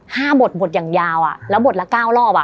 บทบทอย่างยาวอ่ะแล้วบทละเก้ารอบอ่ะ